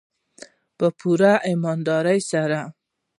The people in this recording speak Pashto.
په پوره ایمانداري سره.